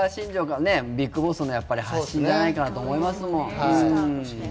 それがＢＩＧＢＯＳＳの発信じゃないかと思いますもん。